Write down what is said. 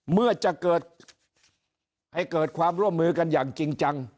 เมื่อจะเกิดให้เกิดความร่วมมือกันอย่างจริงจัง